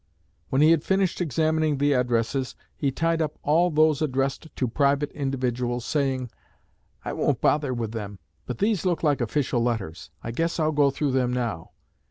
When he had finished examining the addresses, he tied up all those addressed to private individuals, saying, 'I won't bother with them; but these look like official letters; I guess I'll go through them now.'